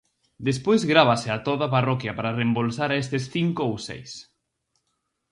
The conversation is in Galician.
Despois grávase a toda a parroquia para reembolsar a estes cinco ou seis.